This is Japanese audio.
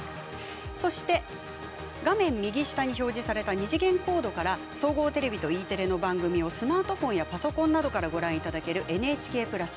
そして、画面右下に表示された二次元コードから総合テレビとＥテレの番組をスマートフォンやパソコンなどからご覧いただけるＮＨＫプラス。